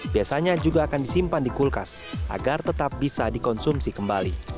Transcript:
biasanya juga akan disimpan di kulkas agar tetap bisa dikonsumsi kembali